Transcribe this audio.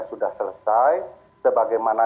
sudah selesai sebagaimana